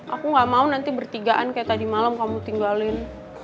aku gak mau nanti bertigaan kayak tadi malam kamu tinggalin